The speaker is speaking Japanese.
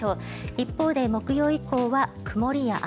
一方で、木曜以降は曇りや雨。